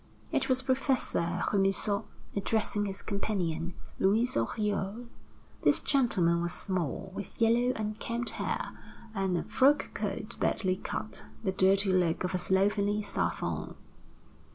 It was Professor Remusot addressing his companion, Louise Oriol. This gentleman was small, with yellow, unkempt hair, and a frock coat badly cut, the dirty look of a slovenly savant.